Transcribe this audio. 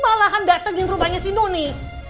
malahan datengin rumahnya si nuni